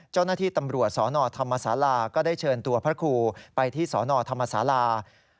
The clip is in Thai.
เจ้าหน้าที่ตำรวจสนธรรมศาลาก็ได้เชิญตัวพระครูไปที่สนธรรมศาลา